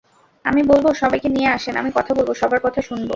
আমি বলব, সবাইকে নিয়ে আসেন, আমি কথা বলব, সবার কথা শুনব।